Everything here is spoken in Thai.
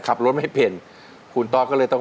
ขับรถไม่เป็นคุณตอสก็เลยต้อง